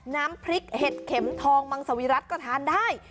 น้ำพริกเห็ดเข็มทองมังสวิรัติก็ทานได้